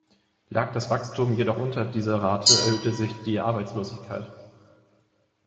Lag das Wachstum jedoch unter dieser Rate, erhöhte sich die Arbeitslosigkeit.